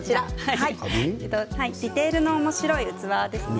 ディテールのおもしろい器ですね。